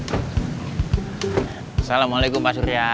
assalamualaikum pak surya